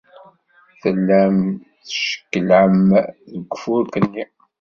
Tellam teckellɛem deg ufurk-nni.